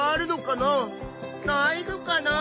ないのかな？